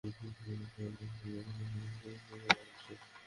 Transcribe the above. পেশা নির্বাচনের ক্ষেত্রে অমিতাভ বচ্চনের ওপর তাঁর মায়ের প্রভাব স্পষ্ট বোঝা যায়।